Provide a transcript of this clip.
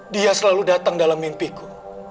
dia selalu datang dalam mimpiku